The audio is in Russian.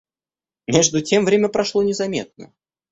Между тем время прошло незаметно.